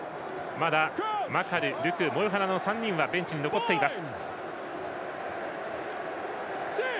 まだマカル、ルク、モエファナの３人はベンチに残っています。